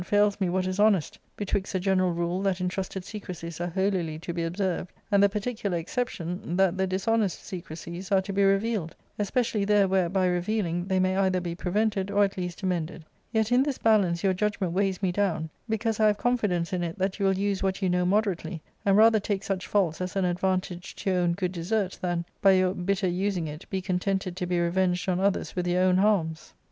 ^Book IIL 395 fails me what is honest, betwixt the general rule that intrusted secrecies are holily to be observed, and the particular excep tion that the dishonest secrecies are to be revealed \ especially there where, by revealing, they may either be prevented or at least amended. Yet in this balance your judgment weighs me down, because I have confidence in it that you will use what you know moderately, and rather take such faults as an advantage to your own good desert than, by your bitter using it, be contented to be revenged on others with your own harms.